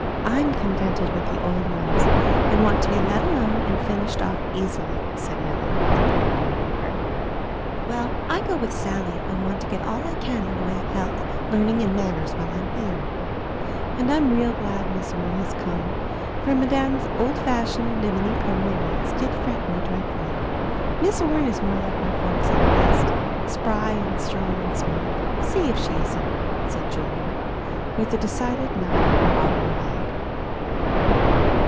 I'm contented with the old ones, and want to be let alone and finished off easily," said Nelly, the pretty New Yorker. "Well, I go with Sally, and want to get all I can in the way of health, learning, and manners while I'm here; and I'm real glad Miss Orne has come, for Madame's old fashioned, niminy priminy ways did fret me dreadfully. Miss Orne is more like our folks out West, spry and strong and smart, see if she isn't," said Julia, with a decided nod of her auburn head.